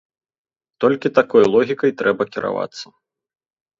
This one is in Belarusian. Толькі такой логікай трэба кіравацца.